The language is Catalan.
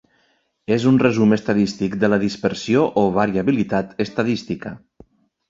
És un resum estadístic de la dispersió o variabilitat estadística.